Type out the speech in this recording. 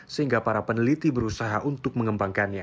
sehingga para peneliti berusaha untuk mengembangkannya